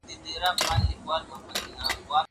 کېدای سي خبري ګڼه وي.